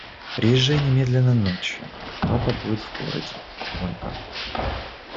Приезжай немедленно ночью папа будет в городе Ольга.